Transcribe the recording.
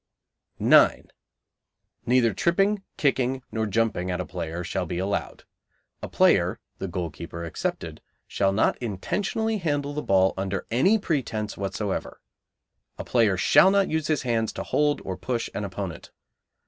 9. Neither tripping, kicking, nor jumping at a player shall be allowed. A player (the goalkeeper excepted), shall not intentionally handle the ball under any pretence whatever. A player shall not use his hands to hold or push an opponent.